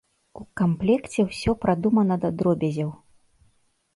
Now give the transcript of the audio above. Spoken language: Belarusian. У камплекце ўсё прадумана да дробязяў.